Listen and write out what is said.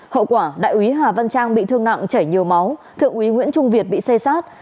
hậu quả đại úy hà văn trang bị thương nặng chảy nhiều máu thượng úy nguyễn trung việt bị xê sát